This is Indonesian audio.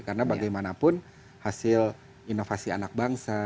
karena bagaimanapun hasil inovasi anak bangsa